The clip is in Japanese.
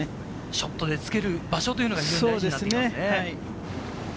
ショットでつける場所というのが大事になってきますね。